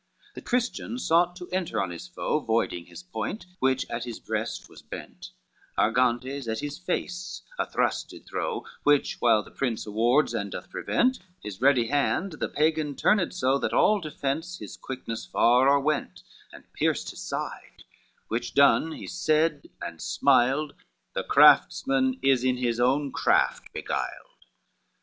XIV The Christian sought to enter on his foe, Voiding his point, which at his breast was bent; Argantes at his face a thrust did throw, Which while the Prince awards and doth prevent, His ready hand the Pagan turned so, That all defence his quickness far o'erwent, And pierced his side, which done, he said and smiled, "The craftsman is in his own craft beguiled."